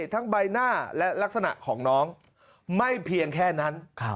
ทั้งใบหน้าและลักษณะของน้องไม่เพียงแค่นั้น